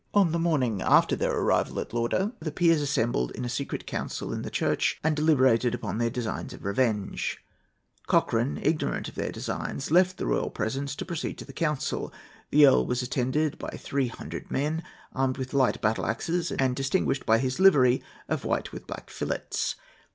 On the morning after their arrival at Lauder, the peers assembled in a secret council, in the church, and deliberated upon their designs of revenge…. Cochran, ignorant of their designs, left the royal presence to proceed to the council. The earl was attended by three hundred men, armed with light battle axes, and distinguished by his livery of white with black fillets.